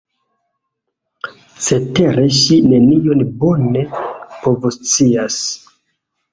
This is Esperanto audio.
Cetere ŝi nenion bone povoscias.